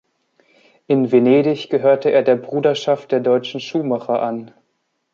In Venedig gehörte er der Bruderschaft der deutschen Schuhmacher an.